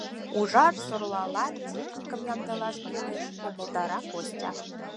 Уржа-сорлалан техникым ямдылаш кӱлеш, — умылтара Костя.